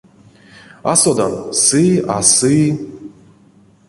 А содан, сы а сы.